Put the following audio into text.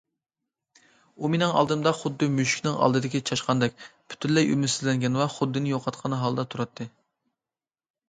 ئۇ مېنىڭ ئالدىمدا خۇددى مۈشۈكنىڭ ئالدىدىكى چاشقاندەك، پۈتۈنلەي ئۈمىدسىزلەنگەن ۋە خۇدىنى يوقاتقان ھالدا تۇراتتى.